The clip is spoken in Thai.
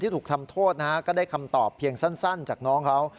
ถูกทำโทษนะฮะก็ได้คำตอบเพียงสั้นจากน้องเขา